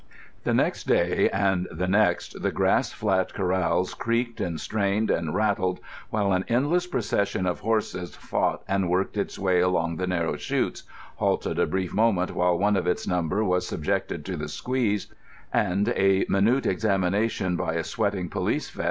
The next day and the next the grass flat corrals creaked and strained and rattled while an endless procession of horses fought and worked its way along the narrow chutes, halted a brief moment while one of its number was subjected to the "squeeze" and a minute examination by a sweating police vet.